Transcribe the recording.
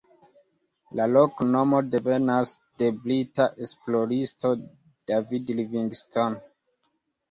La loknomo devenas de brita esploristo David Livingstone.